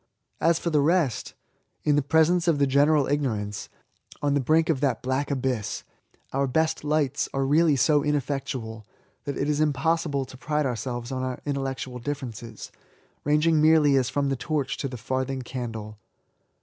As for the rest ; in the presence of the general ignorance^ on the brink of that black abyss, our best lights are really so ineffectual, that it is impossible to pride ourselves on our intellectual differences, ranging merely as from the torch to the farthing candle.